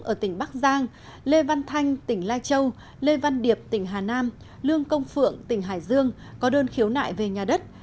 ở tỉnh bắc giang lê văn thanh tỉnh lai châu lê văn điệp tỉnh hà nam lương công phượng tỉnh hải dương có đơn khiếu nại về nhà đất